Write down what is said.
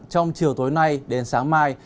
trong chiều tối nay đến sáng mai